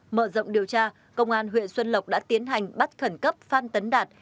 mở rộng điều tra công an huyện xuân lộc đã tiến hành bắt khẩn cấp phan tấn đạt